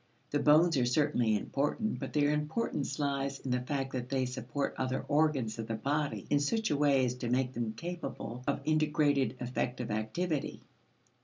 The bones are certainly important, but their importance lies in the fact that they support other organs of the body in such a way as to make them capable of integrated effective activity.